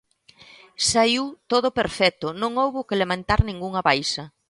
Saiu todo perfecto, non houbo que lamentar ningunha baixa